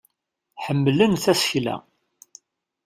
Ḥemmlen tasekla.